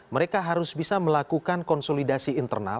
mereka harus bisa melakukan konsolidasi internal